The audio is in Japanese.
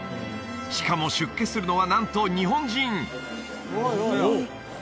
しかも出家するのはなんと日本人！